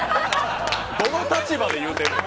どの立場で言うてんの。